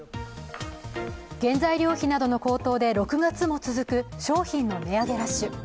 原材料費などの高騰で６月も続く商品の値上げラッシュ。